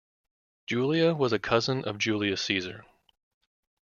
Julia was a cousin of Julius Caesar.